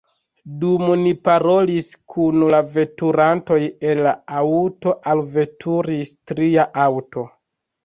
Dum ni parolis kun la veturantoj el la aŭto, alveturis tria aŭto.